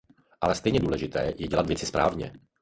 Ale stejně důležité je dělat věci správně.